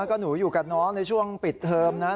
แล้วก็หนูอยู่กับน้องในช่วงปิดเทอมนะ